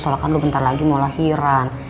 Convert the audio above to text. lo bentar lagi mau lahiran